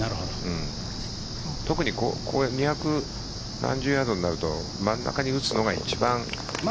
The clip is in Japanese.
特に二百何十ヤードになると真ん中に打つのが一番。